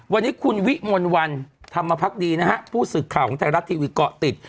วันนี้คุณวิมลวันธรรมพักดีนะฮะผู้สื่อข่าวของไทยรัฐทีวีเกาะติด